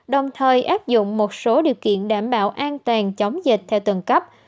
đồng thời áp dụng một số điều kiện đảm bảo an toàn chống dịch theo tầng cấp